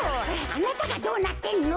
あなたがどうなってんの。